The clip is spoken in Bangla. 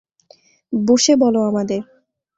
বসে বলো আমাদের।